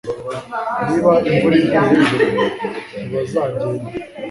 Niba imvura iguye ejo ntibazagenda